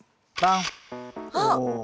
あっ！